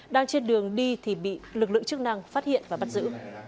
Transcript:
đang trên đường đi thì bị lực lượng chức năng phát hiện và bắt giữ